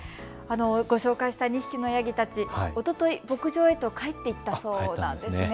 ご紹介した２匹のヤギたち、おととい牧場へと帰っていったそうです。